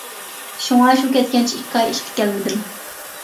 شۇڭا شۇ كەتكەنچە ئىككى ئاي ئىشقا كەلمىدىم.